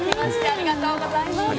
ありがとうございます。